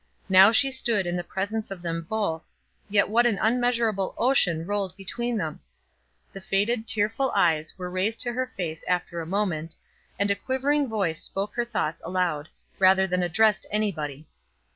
Now she stood in the presence of them both, yet what an unmeasurable ocean rolled between them! The faded, tearful eyes were raised to her face after a moment, and a quivering voice spoke her thoughts aloud, rather than addressed any body.